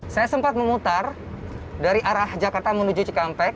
saya sempat memutar dari arah jakarta menuju cikampek